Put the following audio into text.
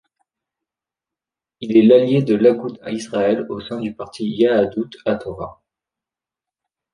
Il est l'allié de l'Agoudat Israel au sein du parti Yahadut Hatorah.